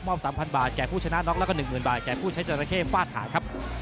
๓๐๐บาทแก่ผู้ชนะน็อกแล้วก็๑๐๐บาทแก่ผู้ใช้จราเข้ฟาดหาครับ